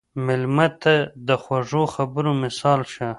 مېلمه ته د خوږو خبرو مثال شه.